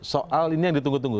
soal ini yang ditunggu tunggu